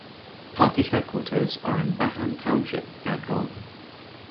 The party's headquarters are in Bahan Township, Yangon.